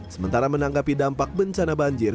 sementara menanggapi dampak bencana banjir